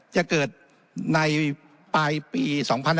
จะเกิดในปลายปี๒๕๕๙